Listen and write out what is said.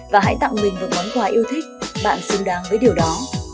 và hãy tặng mình một món quà yêu thích bạn xứng đáng với điều đó